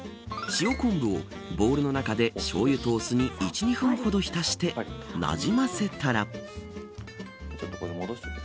塩こんぶをボウルの中でしょうゆとお酢に１、２分ほど浸してなじませたら。